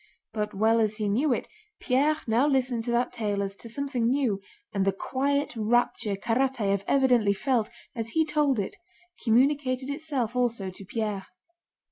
But well as he knew it, Pierre now listened to that tale as to something new, and the quiet rapture Karatáev evidently felt as he told it communicated itself also to Pierre.